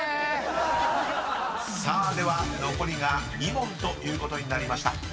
［さあでは残りが２問ということになりました］